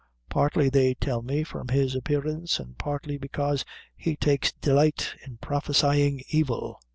"Partly, they tell me, from his appearance, an' partly bekaise he takes delight in prophesyin' evil."